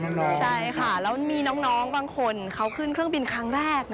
ตื่นเต้นนะตื่นเต้นมาก